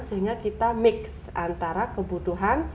sehingga kita mix antara kebutuhan